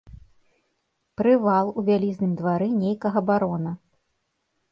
Прывал у вялізным двары нейкага барона.